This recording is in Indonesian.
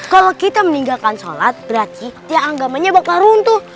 kalau kita meninggalkan sholat berarti tiang agamanya bakal runtuh